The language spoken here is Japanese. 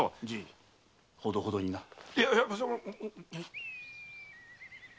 じいほどほどにな。